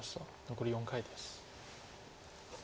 残り４回です。